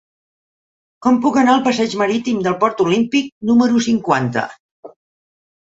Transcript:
Com puc anar al passeig Marítim del Port Olímpic número cinquanta?